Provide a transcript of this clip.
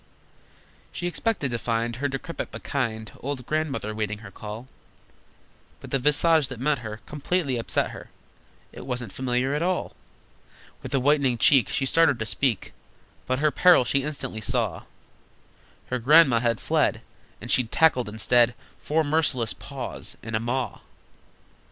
She expected to find Her decrepit but kind Old Grandmother waiting her call, But the visage that met her Completely upset her: It wasn't familiar at all! With a whitening cheek She started to speak, But her peril she instantly saw: Her Grandma had fled, And she'd tackled instead Four merciless Paws and a Maw!